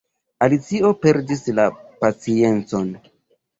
Alicio perdis la paciencon.